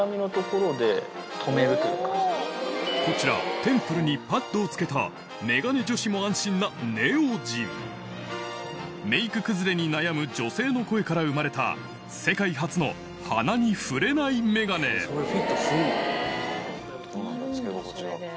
こちらテンプルにパッドを付けたメガネ女子も安心なメイク崩れに悩む女性の声から生まれた世界初の鼻に触れないメガネあ！